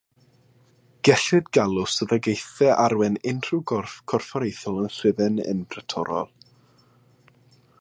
Gellid galw swyddogaethau arwain unrhyw gorff corfforaethol yn Rhufain yn braetorol.